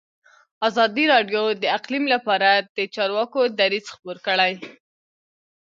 ازادي راډیو د اقلیم لپاره د چارواکو دریځ خپور کړی.